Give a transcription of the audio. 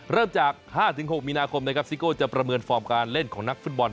เริ่มจาก๕๖มีนาคมนะครับซิโก้จะประเมินฟอร์มการเล่นของนักฟุตบอล